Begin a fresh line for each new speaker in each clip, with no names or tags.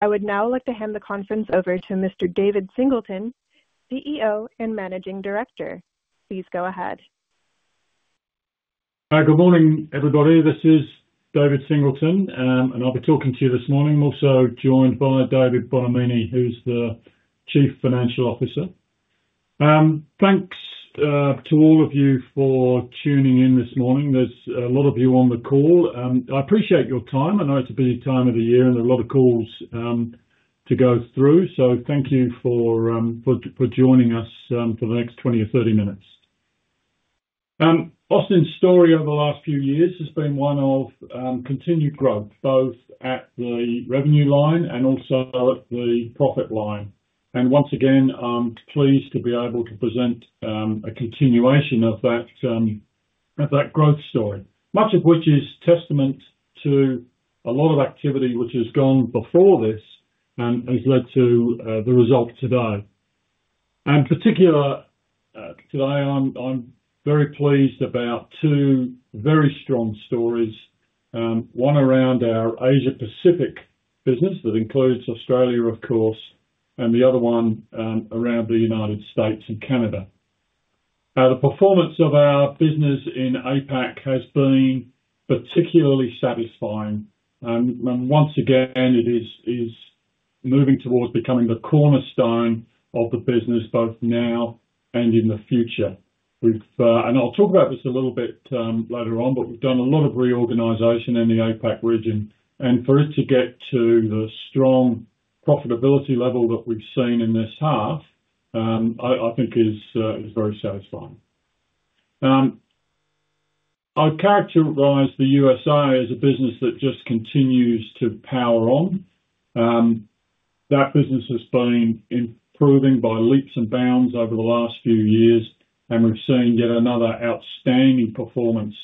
I would now like to hand the conference over to Mr. David Singleton, CEO and Managing Director. Please go ahead.
Good morning, everybody. This is David Singleton, and I'll be talking to you this morning. I'm also joined by David Bonomini, who's the Chief Financial Officer. Thanks to all of you for tuning in this morning. There's a lot of you on the call. I appreciate your time. I know it's a busy time of the year, and there are a lot of calls to go through. Thank you for joining us for the next 20 or 30 minutes. Austin's story over the last few years has been one of continued growth, both at the revenue line and also at the profit line. Once again, I'm pleased to be able to present a continuation of that growth story, much of which is testament to a lot of activity which has gone before this and has led to the result today. Particularly today, I'm very pleased about two very strong stories: one around our Asia-Pacific business that includes Australia, of course, and the other one around the United States and Canada. The performance of our business in APAC has been particularly satisfying. Once again, it is moving towards becoming the cornerstone of the business both now and in the future. I'll talk about this a little bit later on, but we've done a lot of reorganization in the APAC region. For it to get to the strong profitability level that we've seen in this half, I think is very satisfying. I'd characterize the USA as a business that just continues to power on. That business has been improving by leaps and bounds over the last few years, and we've seen yet another outstanding performance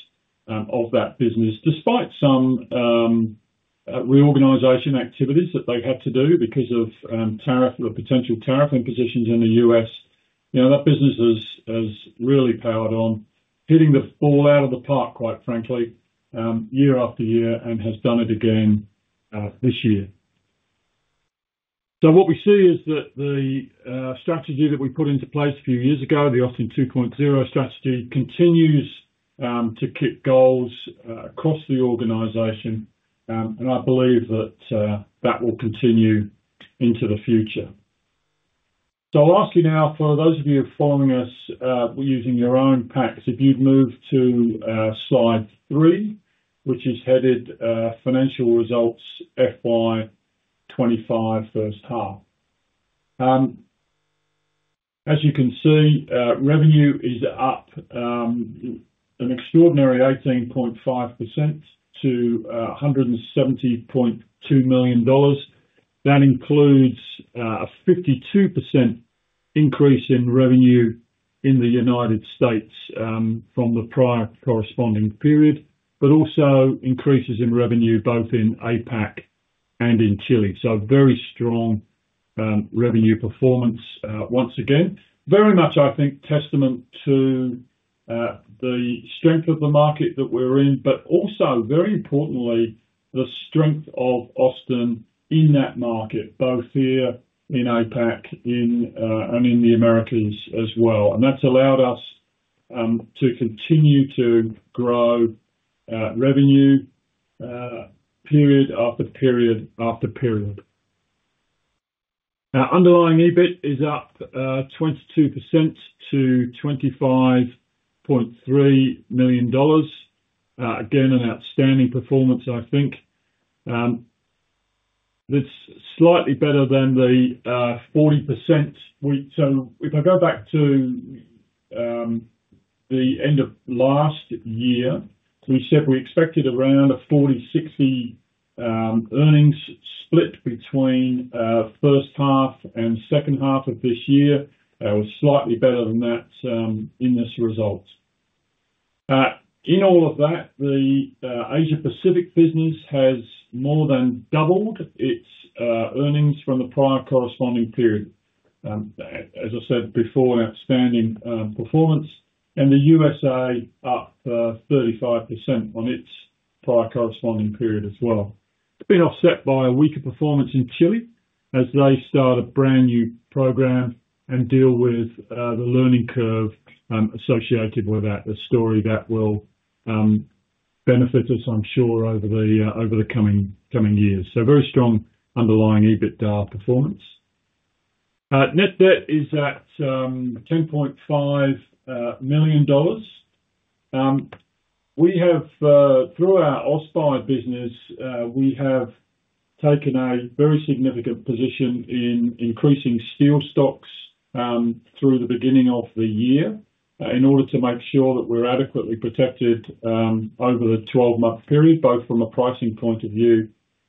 of that business. Despite some reorganization activities that they had to do because of potential tariff impositions in the U.S., that business has really powered on, hitting the ball out of the park, quite frankly, year after year, and has done it again this year. What we see is that the strategy that we put into place a few years ago, the Austin 2.0 strategy, continues to keep goals across the organization. I believe that that will continue into the future. I will ask you now, for those of you following us using your own packs, if you would move to slide three, which is headed Financial Results FY2025 first half. As you can see, revenue is up an extraordinary 18.5% to 170.2 million dollars. That includes a 52% increase in revenue in the United States from the prior corresponding period, but also increases in revenue both in APAC and in Chile. Very strong revenue performance once again. Very much, I think, testament to the strength of the market that we're in, but also, very importantly, the strength of Austin in that market, both here in APAC and in the Americas as well. That's allowed us to continue to grow revenue period after period after period. Underlying EBIT is up 22% to 25.3 million dollars. Again, an outstanding performance, I think. It's slightly better than the 40%. If I go back to the end of last year, we said we expected around a 40/60 earnings split between first half and second half of this year. That was slightly better than that in this result. In all of that, the Asia-Pacific business has more than doubled its earnings from the prior corresponding period. As I said before, an outstanding performance. The USA is up 35% on its prior corresponding period as well. It has been offset by a weaker performance in Chile as they start a brand new program and deal with the learning curve associated with that, a story that will benefit us, I am sure, over the coming years. Very strong underlying EBIT performance. Net debt is at 10.5 million dollars. Through our OSPI business, we have taken a very significant position in increasing steel stocks through the beginning of the year in order to make sure that we are adequately protected over the 12-month period, both from a pricing point of view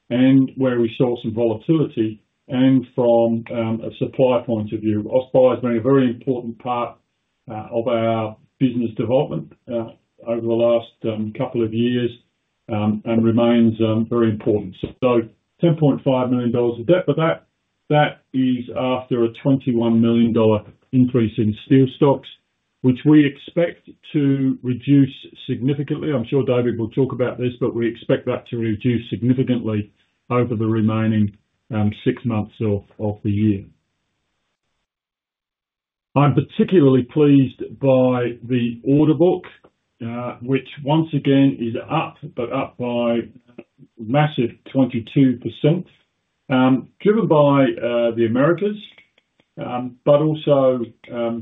where we saw some volatility, and from a supply point of view. OSPI has been a very important part of our business development over the last couple of years and remains very important. $10.5 million of debt, but that is after a $21 million increase in steel stocks, which we expect to reduce significantly. I am sure David will talk about this, but we expect that to reduce significantly over the remaining six months of the year. I am particularly pleased by the order book, which once again is up, but up by a massive 22%, driven by the Americas, but also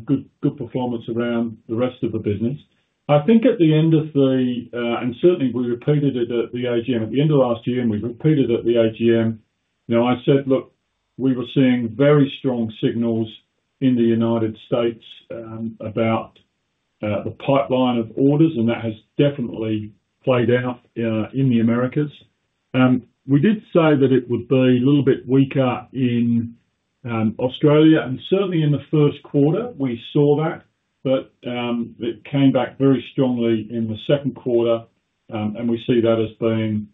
good performance around the rest of the business. I think at the end of the—and certainly we repeated it at the AGM at the end of last year, and we repeated it at the AGM—I said, "Look, we were seeing very strong signals in the United States about the pipeline of orders, and that has definitely played out in the Americas." We did say that it would be a little bit weaker in Australia, and certainly in the first quarter, we saw that, but it came back very strongly in the second quarter, and we see that as being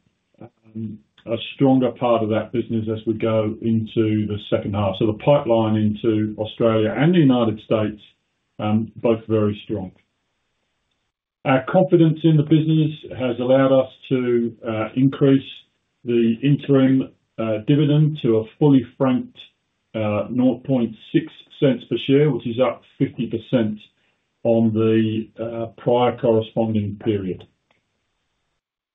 a stronger part of that business as we go into the second half. The pipeline into Australia and the United States, both very strong. Our confidence in the business has allowed us to increase the interim dividend to a fully franked 0.006 per share, which is up 50% on the prior corresponding period.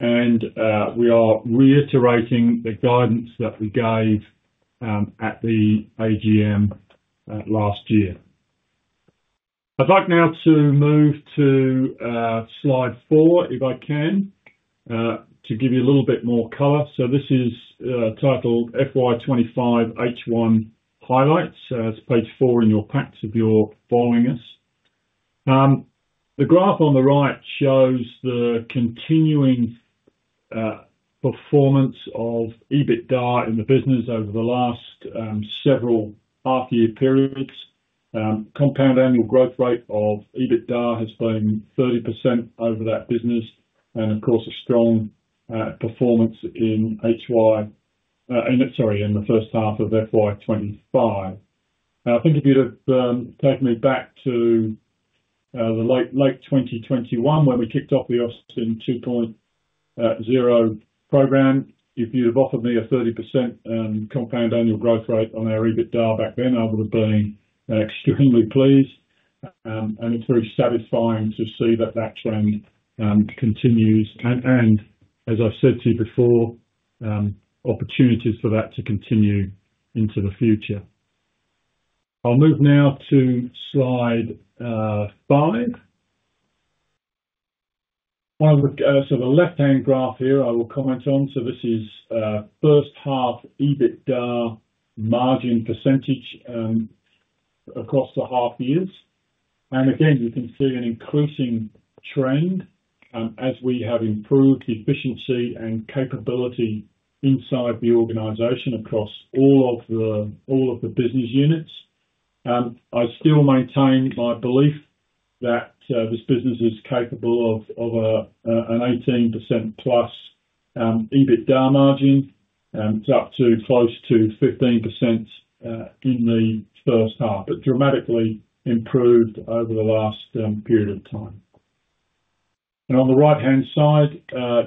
We are reiterating the guidance that we gave at the AGM last year. I'd like now to move to slide four, if I can, to give you a little bit more color. This is titled FY25 H1 Highlights. It is page four in your packs if you're following us. The graph on the right shows the continuing performance of EBITDA in the business over the last several half-year periods. Compound annual growth rate of EBITDA has been 30% over that business, and of course, a strong performance in HY—sorry, in the first half of FY25. I think if you'd have taken me back to late 2021 when we kicked off the Austin 2.0 program, if you'd have offered me a 30% compound annual growth rate on our EBITDA back then, I would have been extremely pleased. It is very satisfying to see that that trend continues. As I've said to you before, opportunities for that to continue into the future. I'll move now to slide five. The left-hand graph here, I will comment on. This is first half EBITDA margin % across the half years. Again, you can see an increasing trend as we have improved efficiency and capability inside the organization across all of the business units. I still maintain my belief that this business is capable of an 18% plus EBITDA margin. It's up to close to 15% in the first half, but dramatically improved over the last period of time. On the right-hand side,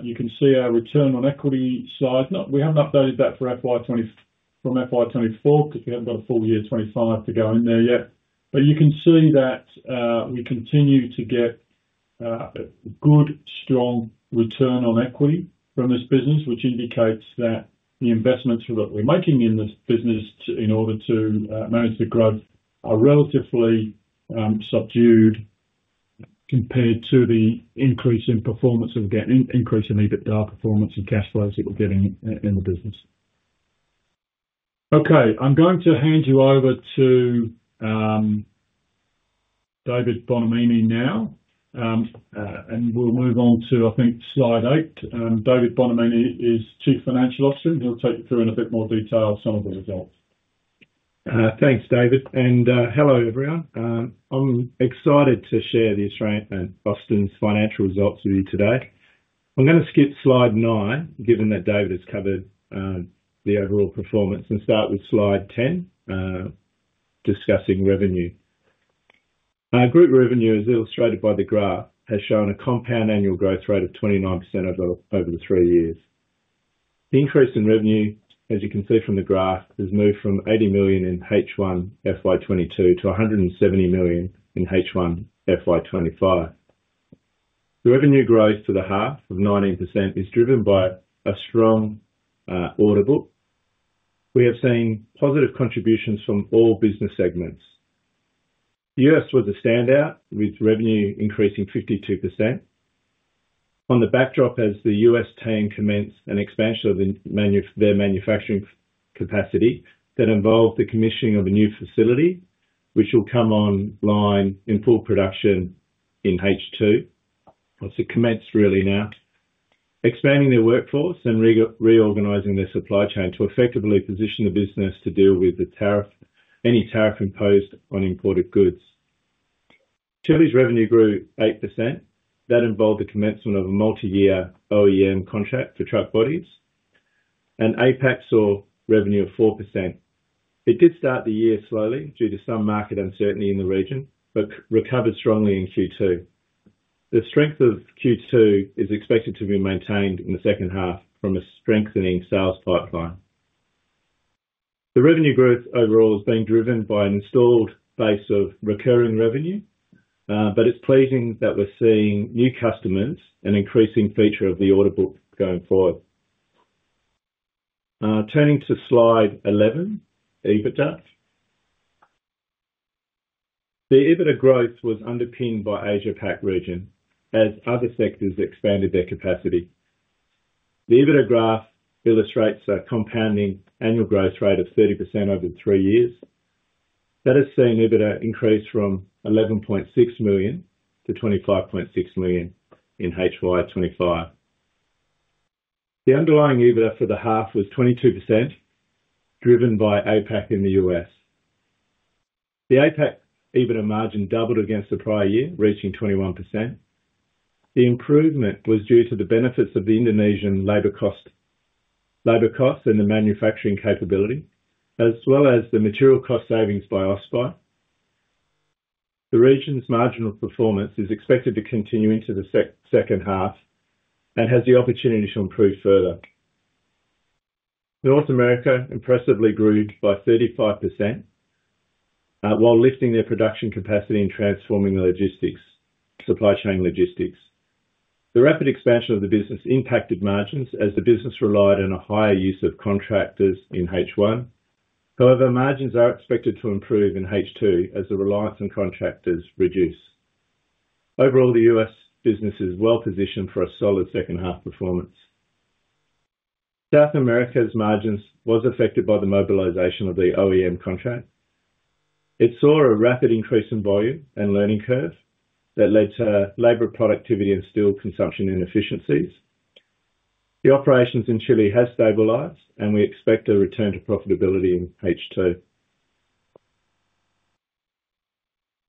you can see our return on equity side. We haven't updated that from FY2024 because we haven't got a full year 2025 to go in there yet. You can see that we continue to get good, strong return on equity from this business, which indicates that the investments that we're making in this business in order to manage the growth are relatively subdued compared to the increase in performance that we're getting, increase in EBITDA performance and cash flows that we're getting in the business. Okay. I'm going to hand you over to David Bonomini now, and we'll move on to, I think, slide eight. David Bonomini is Chief Financial Officer. He'll take you through in a bit more detail some of the results.
Thanks, David. Hello, everyone. I'm excited to share Austin's financial results with you today. I'm going to skip slide nine, given that David has covered the overall performance, and start with slide ten, discussing revenue. Group revenue, as illustrated by the graph, has shown a compound annual growth rate of 29% over the three years. The increase in revenue, as you can see from the graph, has moved from 80 million in H1 FY2022 to 170 million in H1 FY2025. The revenue growth to the half of 19% is driven by a strong order book. We have seen positive contributions from all business segments. The US was a standout with revenue increasing 52%. On the backdrop, as the US team commenced an expansion of their manufacturing capacity that involved the commissioning of a new facility, which will come online in full production in H2. It's a commence, really, now. Expanding their workforce and reorganizing their supply chain to effectively position the business to deal with any tariff imposed on imported goods. Chile's revenue grew 8%. That involved the commencement of a multi-year OEM contract for truck bodies, and APAC saw revenue of 4%. It did start the year slowly due to some market uncertainty in the region, but recovered strongly in Q2. The strength of Q2 is expected to be maintained in the second half from a strengthening sales pipeline. The revenue growth overall has been driven by an installed base of recurring revenue, but it's pleasing that we're seeing new customers and increasing feature of the order book going forward. Turning to slide 11, EBITDA. The EBITDA growth was underpinned by Asia-Pac region as other sectors expanded their capacity. The EBITDA graph illustrates a compounding annual growth rate of 30% over three years. That has seen EBITDA increase from 11.6 million to 25.6 million in HY25. The underlying EBITDA for the half was 22%, driven by APAC in the US. The APAC EBITDA margin doubled against the prior year, reaching 21%. The improvement was due to the benefits of the Indonesian labor costs and the manufacturing capability, as well as the material cost savings by OSPI. The region's marginal performance is expected to continue into the second half and has the opportunity to improve further. North America impressively grew by 35% while lifting their production capacity and transforming the supply chain logistics. The rapid expansion of the business impacted margins as the business relied on a higher use of contractors in H1. However, margins are expected to improve in H2 as the reliance on contractors reduces. Overall, the US business is well positioned for a solid second half performance. South America's margins were affected by the mobilization of the OEM contract. It saw a rapid increase in volume and learning curve that led to labor productivity and steel consumption inefficiencies. The operations in Chile have stabilized, and we expect a return to profitability in H2.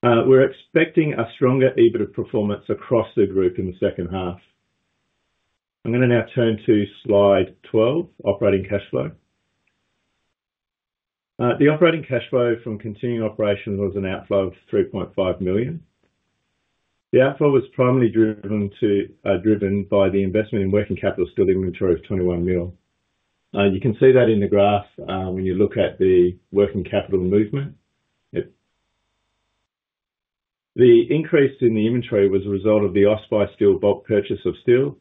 We're expecting a stronger EBITDA performance across the group in the second half. I'm going to now turn to slide 12, operating cash flow. The operating cash flow from continuing operations was an outflow of 3.5 million. The outflow was primarily driven by the investment in working capital steel inventory of 21 million. You can see that in the graph when you look at the working capital movement. The increase in the inventory was a result of the OSPI steel bulk purchase of steel.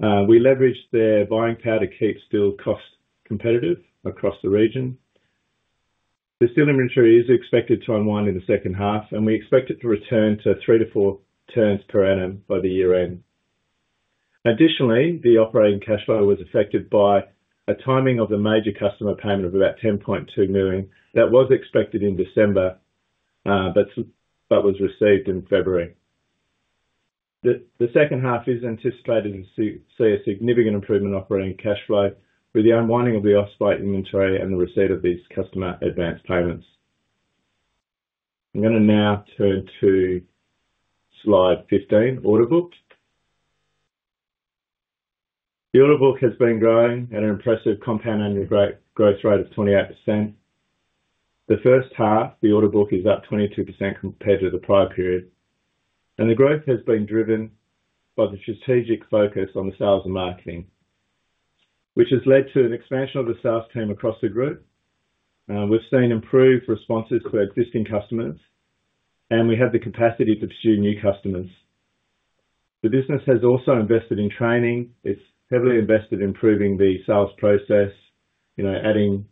We leveraged their buying power to keep steel cost competitive across the region. The steel inventory is expected to unwind in the second half, and we expect it to return to three to four turns per annum by the year end. Additionally, the operating cash flow was affected by a timing of the major customer payment of about 10.2 million that was expected in December but was received in February. The second half is anticipated to see a significant improvement in operating cash flow with the unwinding of the OSPI inventory and the receipt of these customer advance payments. I'm going to now turn to slide 15, order book. The order book has been growing at an impressive compound annual growth rate of 28%. The first half, the order book is up 22% compared to the prior period. The growth has been driven by the strategic focus on the sales and marketing, which has led to an expansion of the sales team across the group. We've seen improved responses to existing customers, and we have the capacity to pursue new customers. The business has also invested in training. It's heavily invested in improving the sales process, adding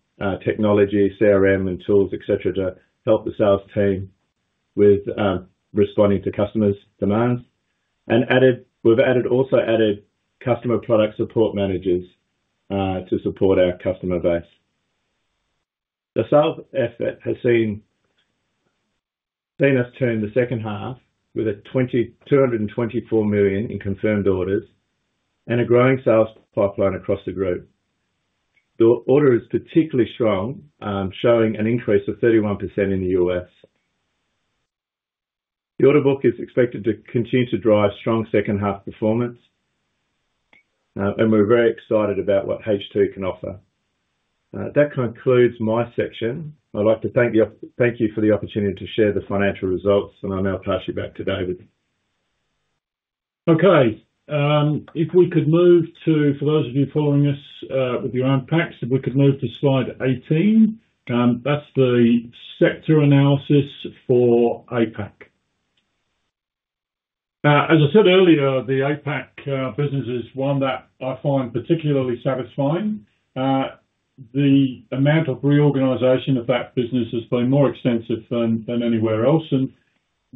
technology, CRM, and tools, etc., to help the sales team with responding to customers' demands. We've also added customer product support managers to support our customer base. The sales effort has seen us turn the second half with 224 million in confirmed orders and a growing sales pipeline across the group. The order is particularly strong, showing an increase of 31% in the US. The order book is expected to continue to drive strong second half performance, and we're very excited about what H2 can offer. That concludes my section. I'd like to thank you for the opportunity to share the financial results, and I'll now pass you back to David.
Okay. If we could move to, for those of you following us with your own packs, if we could move to slide 18, that is the sector analysis for APAC. As I said earlier, the APAC business is one that I find particularly satisfying. The amount of reorganization of that business has been more extensive than anywhere else, and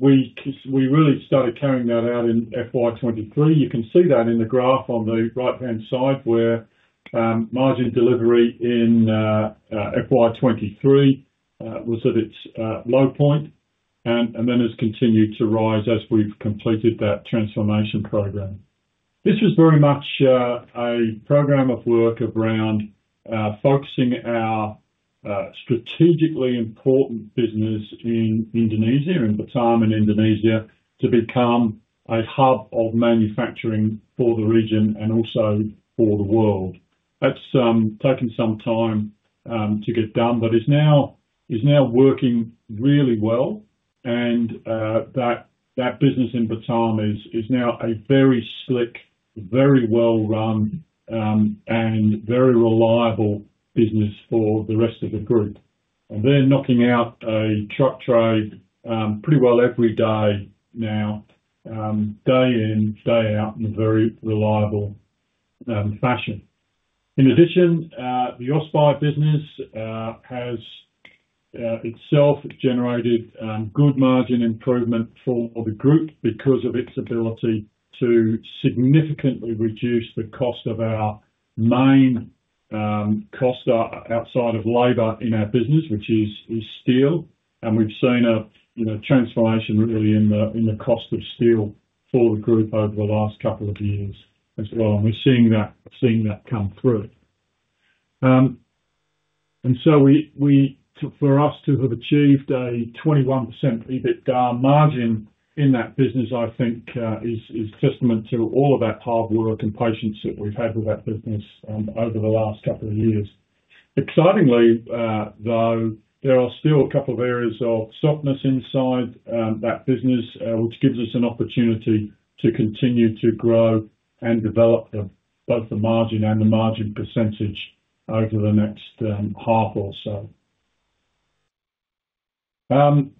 we really started carrying that out in FY 2023. You can see that in the graph on the right-hand side where margin delivery in FY 2023 was at its low point, and then has continued to rise as we have completed that transformation program. This was very much a program of work around focusing our strategically important business in Indonesia, in Batam and Indonesia, to become a hub of manufacturing for the region and also for the world. That's taken some time to get done, but is now working really well, and that business in Batam is now a very slick, very well-run, and very reliable business for the rest of the group. They're knocking out a truck tray pretty well every day now, day in, day out, in a very reliable fashion. In addition, the OSPI business has itself generated good margin improvement for the group because of its ability to significantly reduce the cost of our main cost outside of labor in our business, which is steel. We've seen a transformation really in the cost of steel for the group over the last couple of years as well, and we're seeing that come through. For us to have achieved a 21% EBITDA margin in that business, I think, is a testament to all of that hard work and patience that we've had with that business over the last couple of years. Excitingly, though, there are still a couple of areas of softness inside that business, which gives us an opportunity to continue to grow and develop both the margin and the margin percentage over the next half or so. The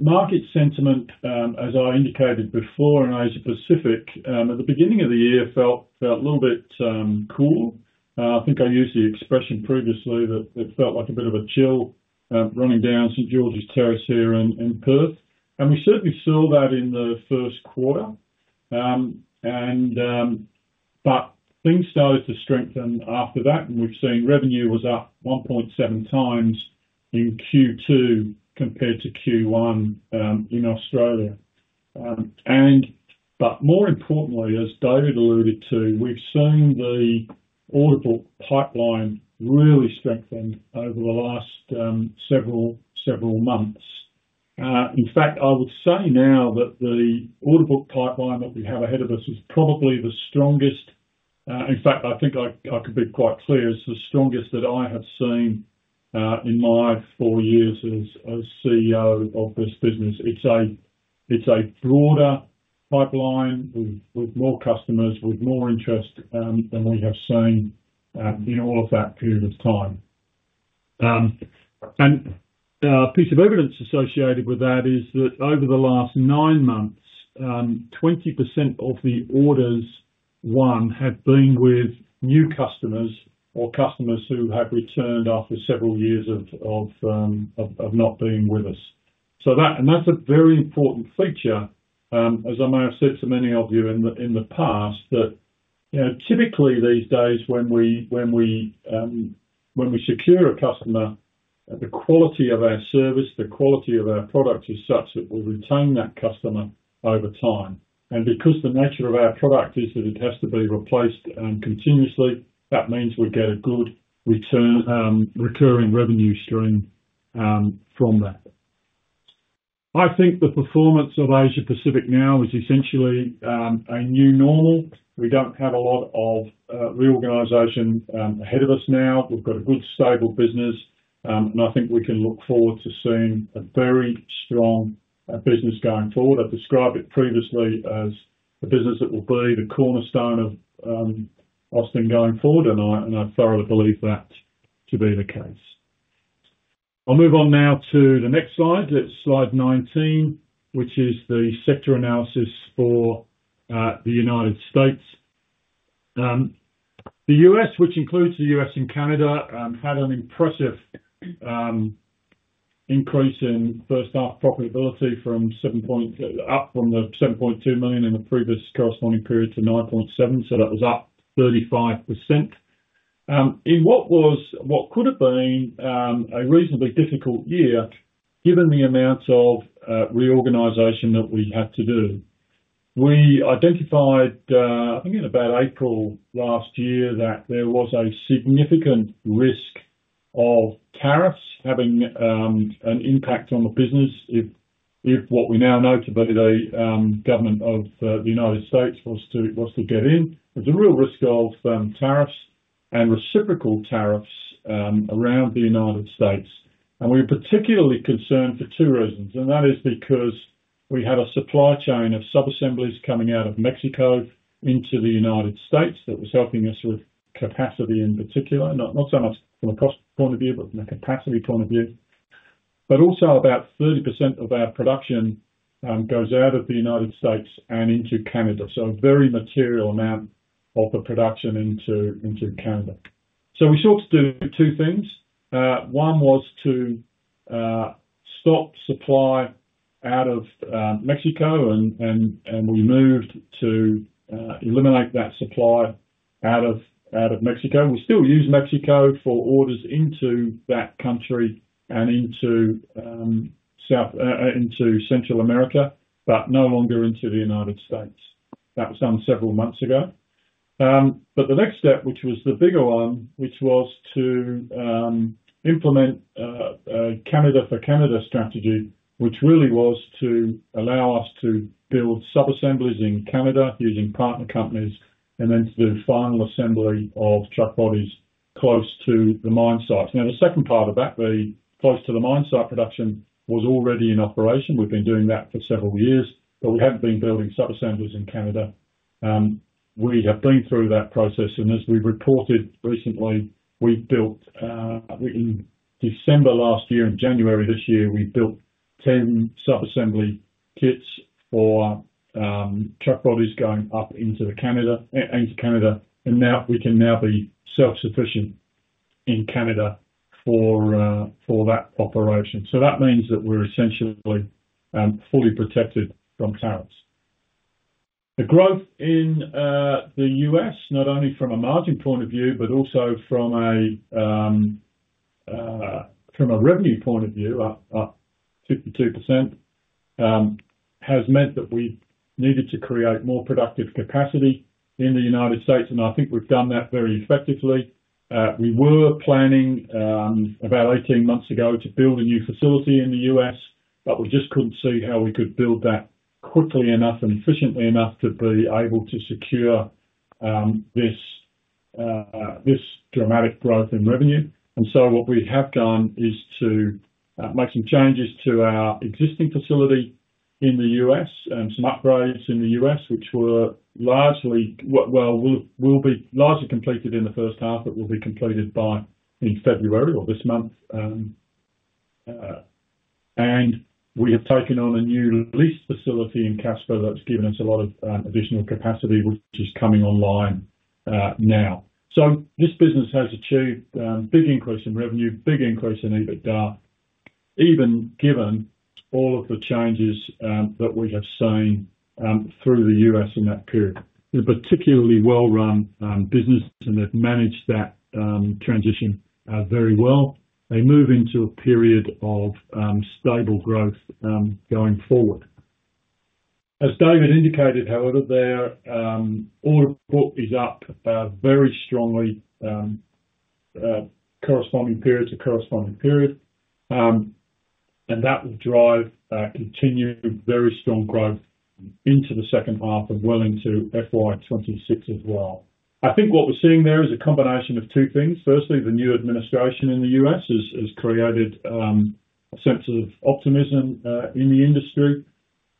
market sentiment, as I indicated before in Asia-Pacific, at the beginning of the year felt a little bit cool. I think I used the expression previously that it felt like a bit of a chill running down St. George's Terrace here in Perth. We certainly saw that in the first quarter, but things started to strengthen after that, and we've seen revenue was up 1.7 times in Q2 compared to Q1 in Australia. More importantly, as David alluded to, we've seen the order book pipeline really strengthen over the last several months. In fact, I would say now that the order book pipeline that we have ahead of us is probably the strongest. In fact, I think I could be quite clear, it's the strongest that I have seen in my four years as CEO of this business. It's a broader pipeline with more customers, with more interest than we have seen in all of that period of time. A piece of evidence associated with that is that over the last nine months, 20% of the orders won have been with new customers or customers who have returned after several years of not being with us. That is a very important feature, as I may have said to many of you in the past, that typically these days when we secure a customer, the quality of our service, the quality of our product is such that we retain that customer over time. Because the nature of our product is that it has to be replaced continuously, that means we get a good recurring revenue stream from that. I think the performance of Asia-Pacific now is essentially a new normal. We do not have a lot of reorganization ahead of us now. We've got a good stable business, and I think we can look forward to seeing a very strong business going forward. I described it previously as the business that will be the cornerstone of Austin going forward, and I thoroughly believe that to be the case. I'll move on now to the next slide. It's slide 19, which is the sector analysis for the United States. The U.S., which includes the U.S. and Canada, had an impressive increase in first-half profitability from 7.2 million in the previous corresponding period to 9.7 million, so that was up 35%. In what could have been a reasonably difficult year, given the amount of reorganization that we had to do, we identified, I think in about April last year, that there was a significant risk of tariffs having an impact on the business. If what we now know today, the government of the United States was to get in, there's a real risk of tariffs and reciprocal tariffs around the United States. We were particularly concerned for two reasons, and that is because we had a supply chain of subassemblies coming out of Mexico into the United States that was helping us with capacity in particular, not so much from a cost point of view, but from a capacity point of view. Also, about 30% of our production goes out of the United States and into Canada, so a very material amount of the production into Canada. We sought to do two things. One was to stop supply out of Mexico, and we moved to eliminate that supply out of Mexico. We still use Mexico for orders into that country and into Central America, but no longer into the United States. That was done several months ago. The next step, which was the bigger one, was to implement a Canada for Canada strategy, which really was to allow us to build subassemblies in Canada using partner companies and then to do final assembly of truck bodies close to the mine sites. Now, the second part of that, the close to the mine site production, was already in operation. We've been doing that for several years, but we haven't been building subassemblies in Canada. We have been through that process, and as we reported recently, we built in December last year and January this year, we built 10 subassembly kits for truck bodies going up into Canada, and we can now be self-sufficient in Canada for that operation. That means that we're essentially fully protected from tariffs. The growth in the US, not only from a margin point of view, but also from a revenue point of view, up 52%, has meant that we needed to create more productive capacity in the United States, and I think we've done that very effectively. We were planning about 18 months ago to build a new facility in the US, but we just couldn't see how we could build that quickly enough and efficiently enough to be able to secure this dramatic growth in revenue. What we have done is to make some changes to our existing facility in the US and some upgrades in the US, which will be largely completed in the first half, but will be completed by in February or this month. We have taken on a new lease facility in Casper that's given us a lot of additional capacity, which is coming online now. This business has achieved a big increase in revenue, a big increase in EBITDA, even given all of the changes that we have seen through the US in that period. They're particularly well-run businesses, and they've managed that transition very well. They move into a period of stable growth going forward. As David indicated, however, their order book is up very strongly corresponding period to corresponding period, and that will drive continued very strong growth into the second half of willing to FY2026 as well. I think what we're seeing there is a combination of two things. Firstly, the new administration in the U.S. has created a sense of optimism in the industry,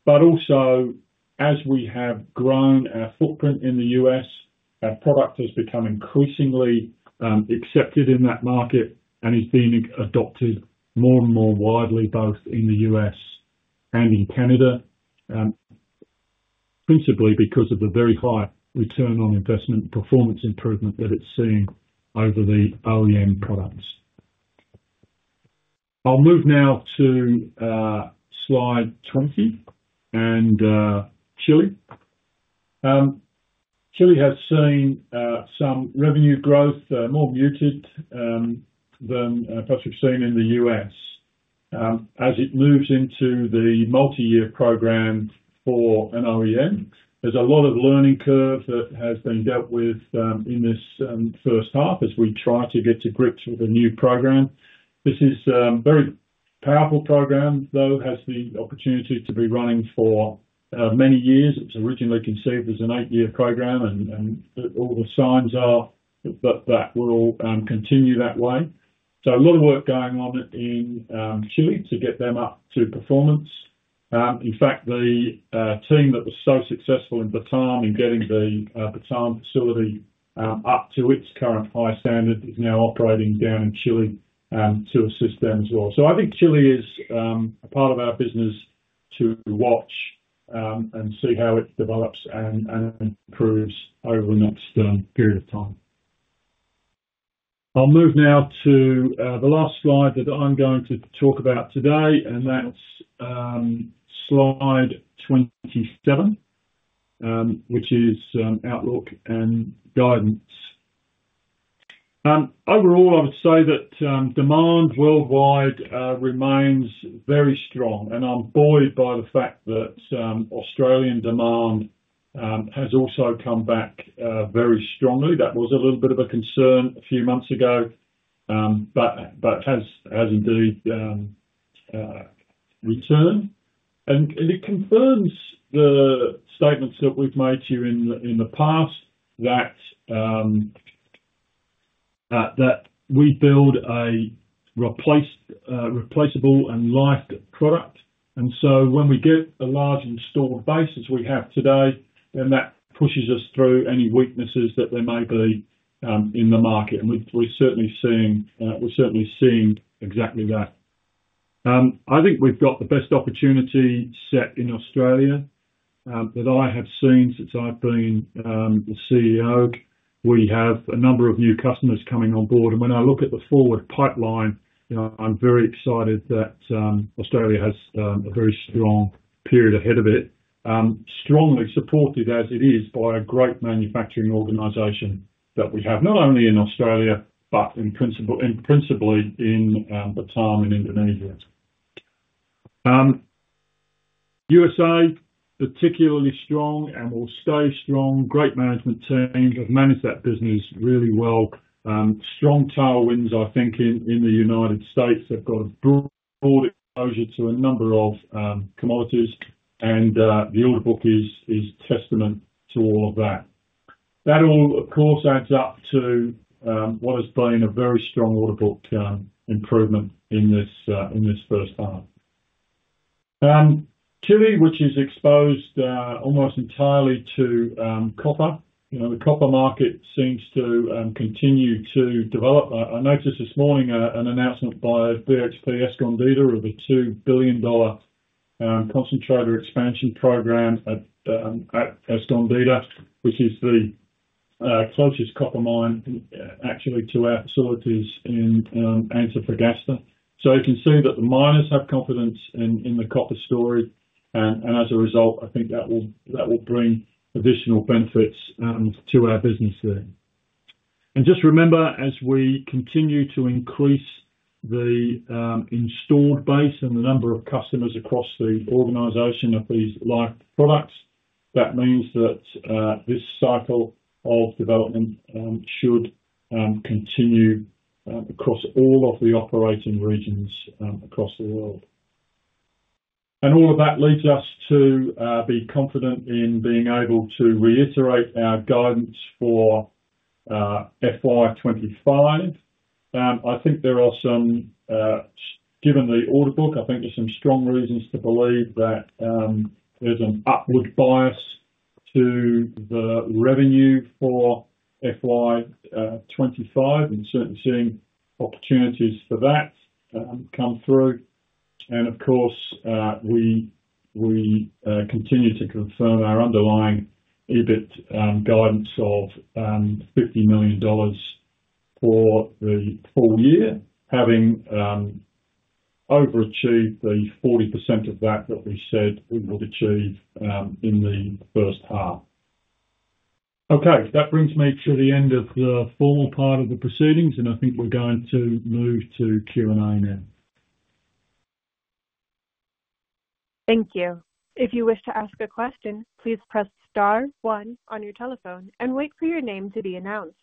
but also as we have grown our footprint in the U.S., our product has become increasingly accepted in that market and is being adopted more and more widely, both in the U.S. and in Canada, principally because of the very high return on investment performance improvement that it's seen over the OEM products. I'll move now to slide 20, and Chile. Chile has seen some revenue growth, more muted than perhaps we've seen in the U.S. As it moves into the multi-year program for an OEM, there's a lot of learning curve that has been dealt with in this first half as we try to get to grips with a new program. This is a very powerful program, though it has the opportunity to be running for many years. It was originally conceived as an eight-year program, and all the signs are that that will continue that way. A lot of work going on in Chile to get them up to performance. In fact, the team that was so successful in Batam in getting the Batam facility up to its current high standard is now operating down in Chile to assist them as well. I think Chile is a part of our business to watch and see how it develops and improves over the next period of time. I'll move now to the last slide that I'm going to talk about today, and that's slide 27, which is outlook and guidance. Overall, I would say that demand worldwide remains very strong, and I'm buoyed by the fact that Australian demand has also come back very strongly. That was a little bit of a concern a few months ago, but has indeed returned. It confirms the statements that we've made to you in the past that we build a replaceable and life product. When we get a large installed base as we have today, that pushes us through any weaknesses that there may be in the market. We're certainly seeing exactly that. I think we've got the best opportunity set in Australia that I have seen since I've been the CEO. We have a number of new customers coming on board, and when I look at the forward pipeline, I'm very excited that Australia has a very strong period ahead of it, strongly supported as it is by a great manufacturing organization that we have, not only in Australia but principally in Batam and Indonesia. USA, particularly strong and will stay strong. Great management teams have managed that business really well. Strong tailwinds, I think, in the United States. They've got a broad exposure to a number of commodities, and the order book is testament to all of that. That all, of course, adds up to what has been a very strong order book improvement in this first half. Chile, which is exposed almost entirely to copper. The copper market seems to continue to develop. I noticed this morning an announcement by BHP Escondido of a $2 billion concentrator expansion program at Escondido, which is the closest copper mine, actually, to our facilities in Antofagasta. You can see that the miners have confidence in the copper story, and as a result, I think that will bring additional benefits to our business there. Just remember, as we continue to increase the installed base and the number of customers across the organization of these life products, that means that this cycle of development should continue across all of the operating regions across the world. All of that leads us to be confident in being able to reiterate our guidance for FY2025. I think there are some, given the order book, I think there are some strong reasons to believe that there is an upward bias to the revenue for FY2025, and certainly seeing opportunities for that come through. Of course, we continue to confirm our underlying EBIT guidance of 50 million dollars for the full year, having overachieved the 40% of that that we said we would achieve in the first half. Okay, that brings me to the end of the formal part of the proceedings, and I think we're going to move to Q&A now.
Thank you. If you wish to ask a question, please press star one on your telephone and wait for your name to be announced.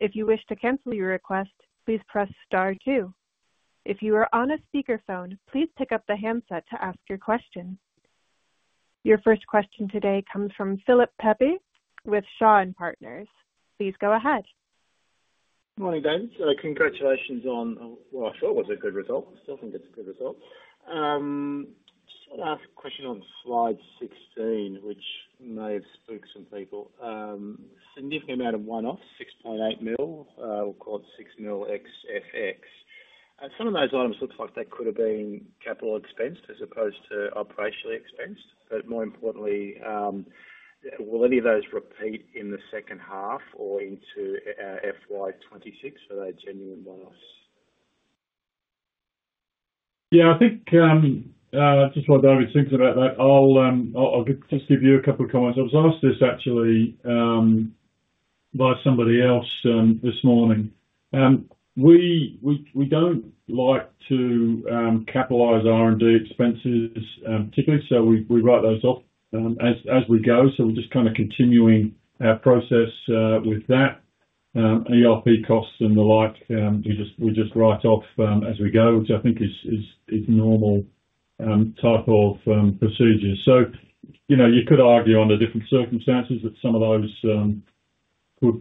If you wish to cancel your request, please press star two. If you are on a speakerphone, please pick up the handset to ask your question. Your first question today comes from Philip Pepe with Shaw and Partners. Please go ahead.
Good morning, David. Congratulations on what I thought was a good result. I still think it's a good result. Just want to ask a question on slide 16, which may have spooked some people. Significant amount of one-off, 6.8 million, we'll call it 6 million XFX. Some of those items look like they could have been capital expense as opposed to operationally expense, but more importantly, will any of those repeat in the second half or into FY2026, or are they genuine one-offs?
Yeah, I think just while David thinks about that, I'll just give you a couple of comments. I was asked this actually by somebody else this morning. We don't like to capitalize R&D expenses particularly, so we write those off as we go. We're just kind of continuing our process with that. ERP costs and the like, we just write off as we go, which I think is normal type of procedure. You could argue under different circumstances that some of those could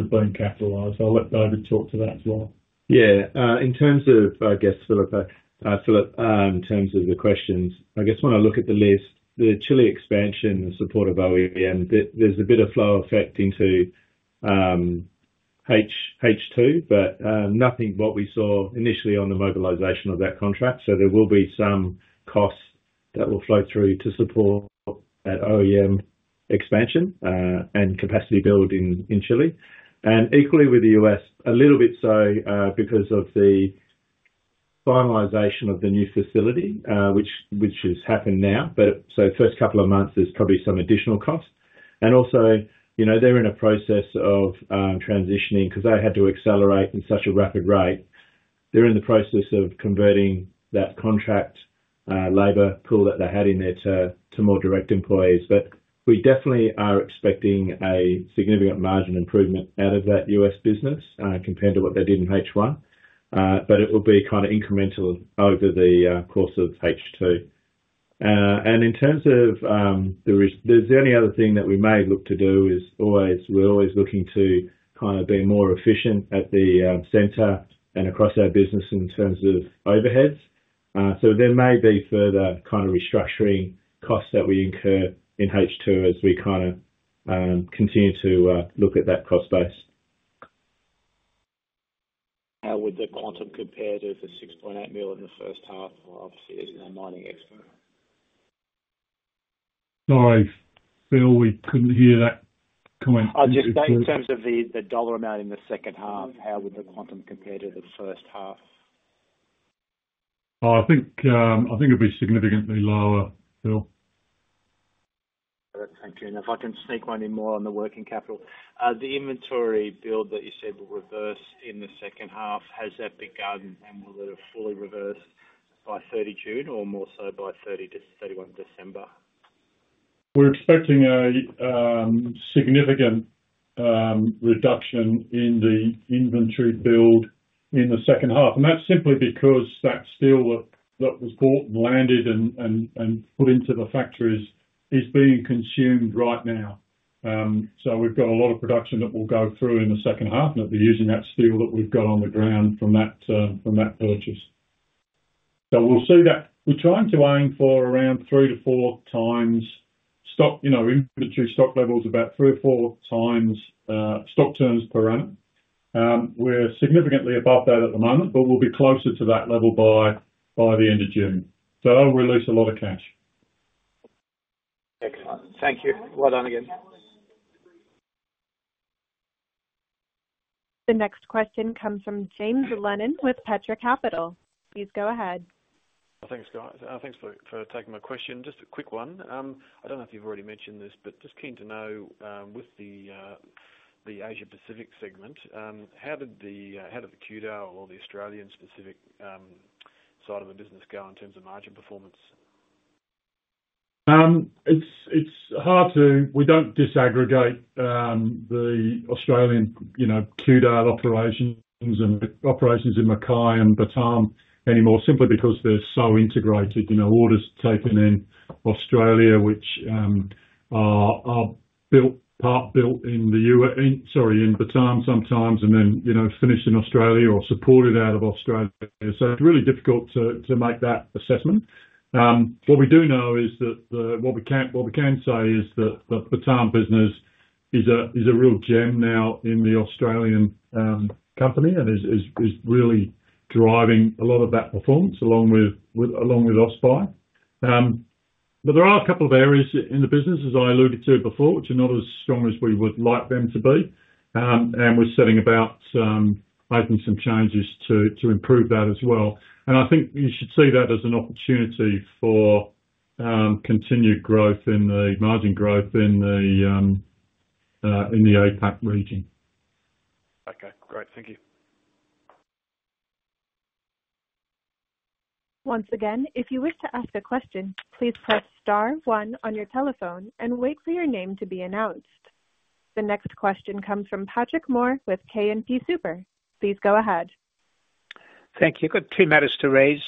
have been capitalized. I'll let David talk to that as well.
Yeah. In terms of, I guess, Philip, in terms of the questions, I guess when I look at the list, the Chile expansion in support of OEM, there's a bit of flow effect into H2, but nothing what we saw initially on the mobilization of that contract. There will be some costs that will flow through to support that OEM expansion and capacity build in Chile. Equally with the US, a little bit so because of the finalization of the new facility, which has happened now. The first couple of months, there's probably some additional cost. Also, they're in a process of transitioning because they had to accelerate in such a rapid rate. They're in the process of converting that contract labor pool that they had in there to more direct employees. We definitely are expecting a significant margin improvement out of that US business compared to what they did in H1, but it will be kind of incremental over the course of H2. In terms of the only other thing that we may look to do is we are always looking to kind of be more efficient at the center and across our business in terms of overheads. There may be further kind of restructuring costs that we incur in H2 as we kind of continue to look at that cost base.
How would the quantum compare to the 6.8 million in the first half? Obviously, as you know, mining expert.
Sorry, Phil, we couldn't hear that comment.
I'll just say in terms of the dollar amount in the second half, how would the quantum compare to the first half?
I think it'd be significantly lower, Phil.
Thank you. If I can sneak one in more on the working capital, the inventory build that you said will reverse in the second half, has that begun and will it have fully reversed by 30 June or more so by 31 December?
We're expecting a significant reduction in the inventory build in the second half. That's simply because that steel that was bought and landed and put into the factories is being consumed right now. We've got a lot of production that will go through in the second half, and it'll be using that steel that we've got on the ground from that purchase. We'll see that. We're trying to aim for around three to four times inventory stock levels, about three or four times stock turns per annum. We're significantly above that at the moment, but we'll be closer to that level by the end of June. It'll release a lot of cash.
Excellent. Thank you. Well done again.
The next question comes from James Lennon with Petra Capital. Please go ahead.
Thanks, David, for taking my question. Just a quick one. I don't know if you've already mentioned this, but just keen to know with the Asia-Pacific segment, how did the QDA or the Australian-specific side of the business go in terms of margin performance?
It's hard to, we don't disaggregate the Australian QDA operations and operations in Mackay and Batam anymore, simply because they're so integrated. Orders taken in Australia, which are part built in the US, sorry, in Batam sometimes, and then finished in Australia or supported out of Australia. It is really difficult to make that assessment. What we do know is that what we can say is that the Batam business is a real gem now in the Australian company and is really driving a lot of that performance along with OSPI. There are a couple of areas in the business, as I alluded to before, which are not as strong as we would like them to be. We are setting about making some changes to improve that as well. I think you should see that as an opportunity for continued growth in the margin growth in the APAC region.
Okay. Great. Thank you.
Once again, if you wish to ask a question, please press star one on your telephone and wait for your name to be announced. The next question comes from Patrick Moore with K&P Super. Please go ahead.
Thank you. I've got two matters to raise.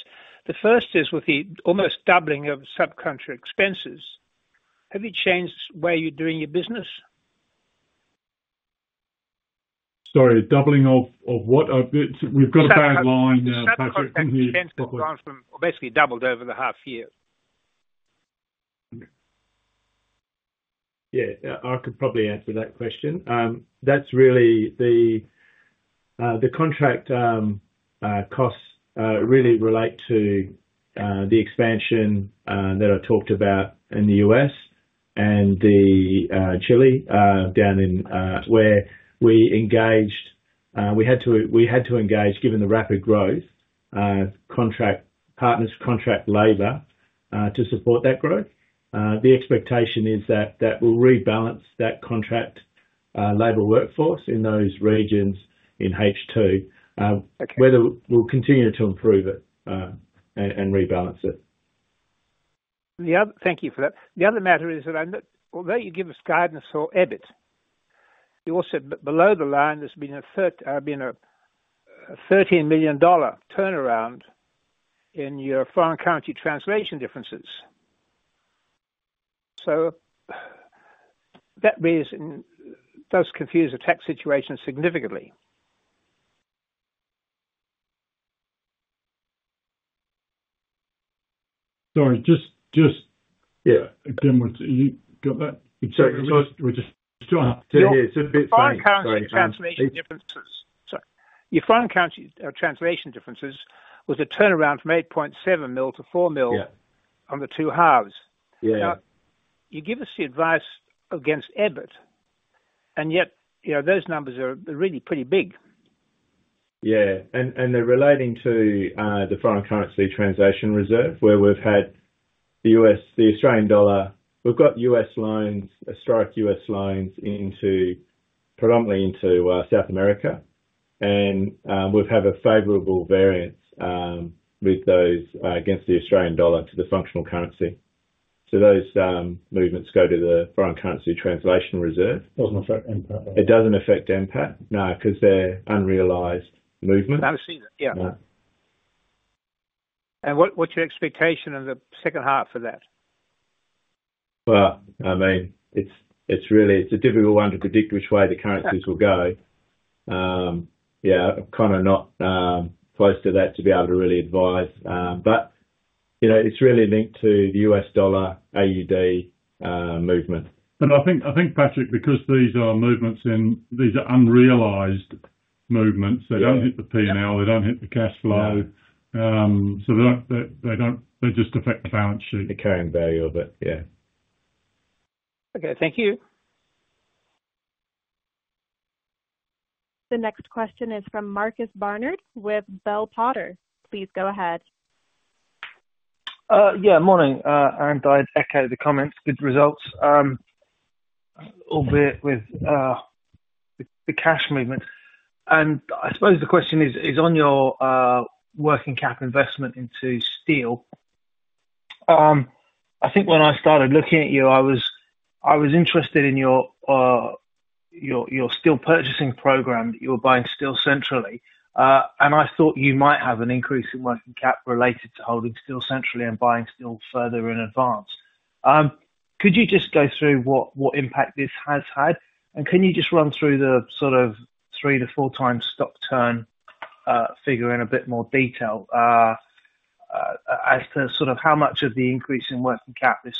The first is with the almost doubling of subcontract expenses. Have you changed the way you're doing your business?
Sorry, doubling of what? We've got a bad line now, Patrick.
Subcontract expenses have basically doubled over the half year.
Yeah, I could probably answer that question. That's really the contract costs really relate to the expansion that I talked about in the US and the Chile down in. Where we engaged, we had to engage, given the rapid growth, contract partners, contract labor to support that growth. The expectation is that that will rebalance that contract labor workforce in those regions in H2, whether we'll continue to improve it and rebalance it.
Thank you for that. The other matter is that although you give us guidance for EBIT, you also below the line, there's been a 13 million dollar turnaround in your foreign currency translation differences. That does confuse the tax situation significantly.
Sorry, just again, you got that? We're just—yeah, it's a bit funny.
Foreign currency translation differences. Sorry. Your foreign currency translation differences was a turnaround from 8.7 million to 4 million on the two halves. You give us the advice against EBIT, and yet those numbers are really pretty big.
Yeah. They're relating to the foreign currency translation reserve, where we've had the Australian dollar, we've got US loans, historic US loans predominantly into South America, and we've had a favorable variance with those against the Australian dollar to the functional currency. Those movements go to the foreign currency translation reserve.
Doesn't affect MPAT.
It doesn't affect MPAT, no, because they're unrealized movements.
I've seen that. Yeah. What's your expectation of the second half for that?
I mean, it's a difficult one to predict which way the currencies will go. Yeah, kind of not close to that to be able to really advise. It is really linked to the US dollar AUD movement.
I think, Patrick, because these are movements in, these are unrealized movements. They do not hit the P&L. They do not hit the cash flow. They just affect the balance sheet.
The carrying value of it, yeah.
Okay. Thank you.
The next question is from Marcus Barnard with Bell Potter. Please go ahead.
Yeah, morning. I’d echo the comments, good results, albeit with the cash movement. I suppose the question is on your working cap investment into steel. I think when I started looking at you, I was interested in your steel purchasing program, that you were buying steel centrally. I thought you might have an increase in working cap related to holding steel centrally and buying steel further in advance. Could you just go through what impact this has had? Can you just run through the sort of three to four times stock turn figure in a bit more detail as to how much of the increase in working cap is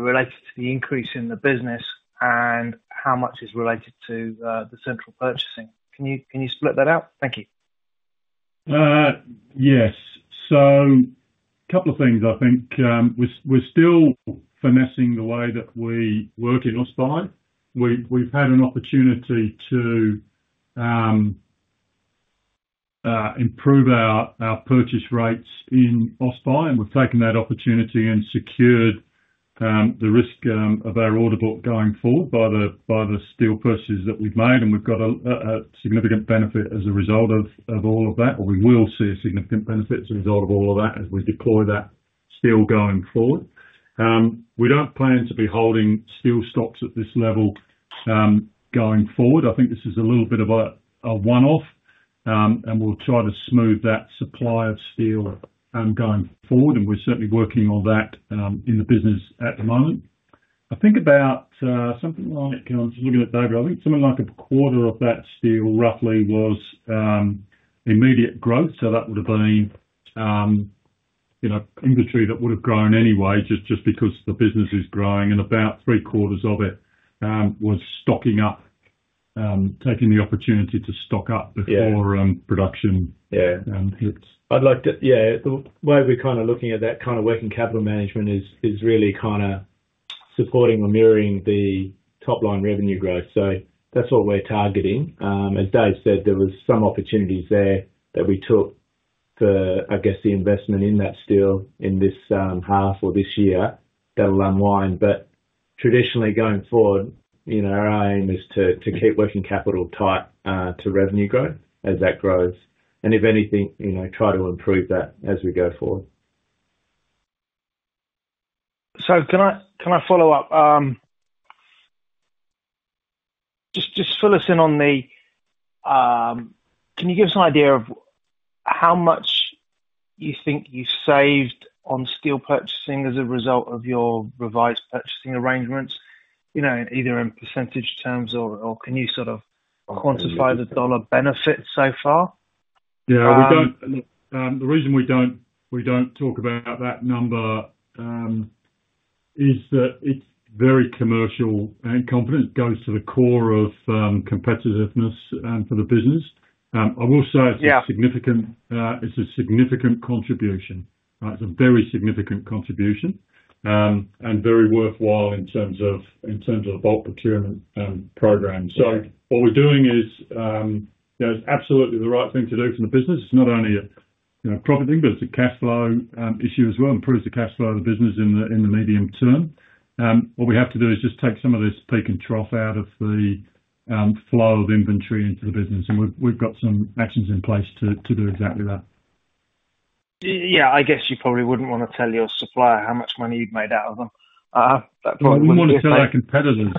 related to the increase in the business and how much is related to the central purchasing? Can you split that out? Thank you.
Yes. A couple of things, I think. We're still finessing the way that we work in OSPI. We've had an opportunity to improve our purchase rates in OSPI, and we've taken that opportunity and secured the risk of our order book going forward by the steel purchases that we've made. We've got a significant benefit as a result of all of that, or we will see a significant benefit as a result of all of that as we deploy that steel going forward. We do not plan to be holding steel stocks at this level going forward. I think this is a little bit of a one-off, and we will try to smooth that supply of steel going forward. We're certainly working on that in the business at the moment. I think about something like I'm just looking at the overall. I think something like a quarter of that steel roughly was immediate growth. That would have been inventory that would have grown anyway, just because the business is growing. About three quarters of it was stocking up, taking the opportunity to stock up before production hits.
Yeah. The way we're kind of looking at that kind of working capital management is really kind of supporting or mirroring the top-line revenue growth. That is what we're targeting. As David said, there were some opportunities there that we took for, I guess, the investment in that steel in this half or this year that will unwind. Traditionally, going forward, our aim is to keep working capital tight to revenue growth as that grows. If anything, try to improve that as we go forward.
Can I follow up? Just fill us in on the can you give us an idea of how much you think you saved on steel purchasing as a result of your revised purchasing arrangements, either in percentage terms, or can you sort of quantify the dollar benefit so far?
Yeah. The reason we don't talk about that number is that it's very commercial and confident. It goes to the core of competitiveness for the business. I will say it's a significant contribution. It's a very significant contribution and very worthwhile in terms of the bulk procurement program. What we're doing is absolutely the right thing to do for the business. It's not only a profit thing, but it's a cash flow issue as well and improves the cash flow of the business in the medium term. What we have to do is just take some of this peak and trough out of the flow of inventory into the business. We have got some actions in place to do exactly that.
Yeah. I guess you probably wouldn't want to tell your supplier how much money you've made out of them. That probably wouldn't be helpful.
We wouldn't want to tell our competitors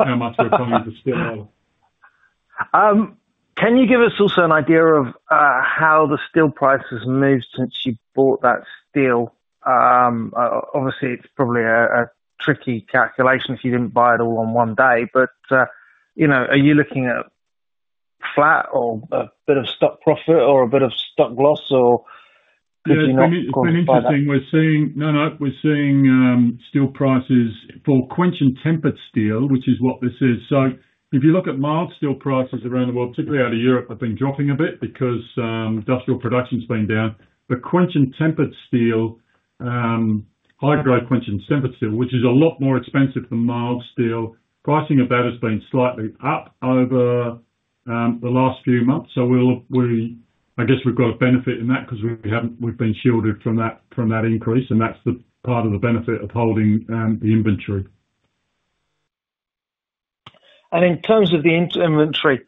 how much we're coming to steel.
Can you give us also an idea of how the steel price has moved since you bought that steel? Obviously, it's probably a tricky calculation if you didn't buy it all on one day. Are you looking at flat or a bit of stock profit or a bit of stock loss or did you not qualify?
No, no. We're finishing thing. No, no. We're seeing steel prices for quench and tempered steel, which is what this is. If you look at mild steel prices around the world, particularly out of Europe, have been dropping a bit because industrial production's been down. Quench and tempered steel, high-grade quench and tempered steel, which is a lot more expensive than mild steel, pricing of that has been slightly up over the last few months. I guess we've got a benefit in that because we've been shielded from that increase. That's the part of the benefit of holding the inventory.
In terms of the inventory,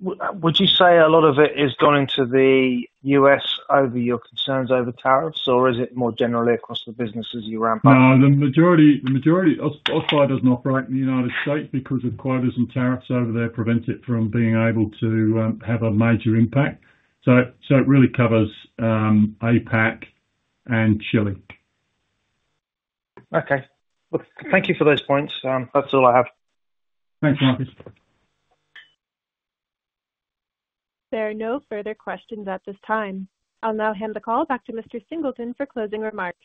would you say a lot of it is going to the U.S. over your concerns over tariffs, or is it more generally across the business as you ramp up?
The majority of OSPI does not operate in the United States because quotas and tariffs over there prevent it from being able to have a major impact. It really covers APAC and Chile.
Okay. Thank you for those points. That's all I have.
Thanks, Marcus.
There are no further questions at this time. I'll now hand the call back to Mr. Singleton for closing remarks.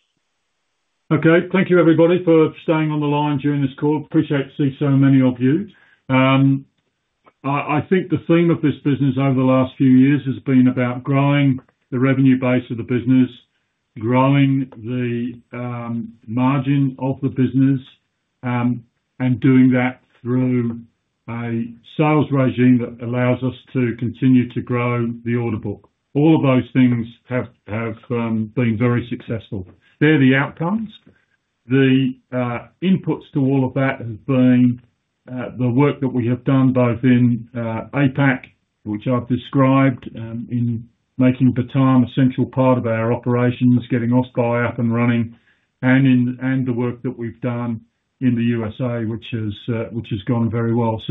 Okay. Thank you, everybody, for staying on the line during this call. Appreciate to see so many of you. I think the theme of this business over the last few years has been about growing the revenue base of the business, growing the margin of the business, and doing that through a sales regime that allows us to continue to grow the order book. All of those things have been very successful. They're the outcomes. The inputs to all of that have been the work that we have done both in APAC, which I've described, in making Batam a central part of our operations, getting OSPI up and running, and the work that we've done in the U.S., which has gone very well.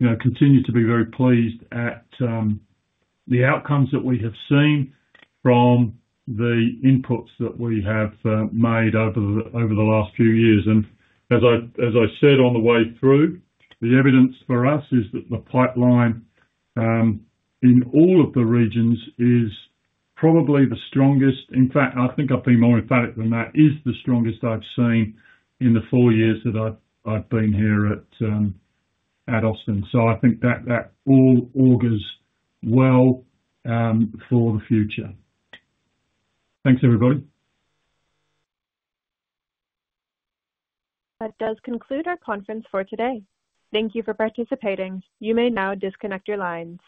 I continue to be very pleased at the outcomes that we have seen from the inputs that we have made over the last few years. As I said on the way through, the evidence for us is that the pipeline in all of the regions is probably the strongest. In fact, I think I've been more emphatic than that, it is the strongest I've seen in the four years that I've been here at Austin. I think that all augurs well for the future. Thanks, everybody.
That does conclude our conference for today. Thank you for participating. You may now disconnect your lines.